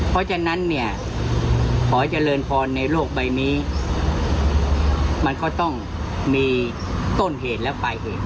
เพราะฉะนั้นเนี่ยขอให้เจริญพรในโลกใบนี้มันก็ต้องมีต้นเหตุและปลายเหตุ